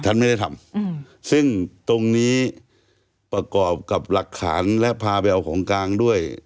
ท่านไม่ได้ทำซึ่งตรงนี้ประกอบกับหลักฐานและพาไปเอาของกลางด้วย